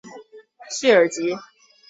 叙尔吉。